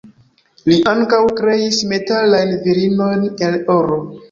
Li ankaŭ kreis metalajn virinojn el oro.